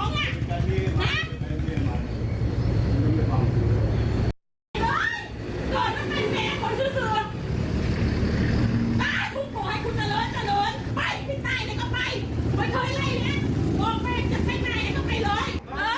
เดลาดน้อย